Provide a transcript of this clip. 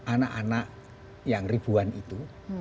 anak anak yang ribuan itu